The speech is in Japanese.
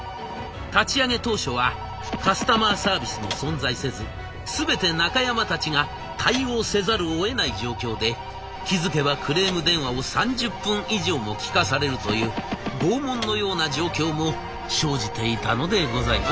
立ち上げ当初はカスタマーサービスも存在せず全て中山たちが対応せざるをえない状況で気付けばクレーム電話を３０分以上も聞かされるという拷問のような状況も生じていたのでございます。